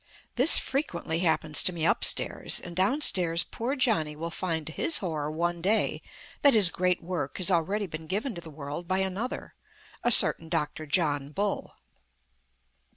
This frequently happens to me upstairs; and downstairs poor Johnny will find to his horror one day that his great work has already been given to the world by another a certain Dr. John Bull.